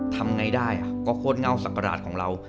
ทำไงได้ก็โคตรเง่าสักกระดาษของเรา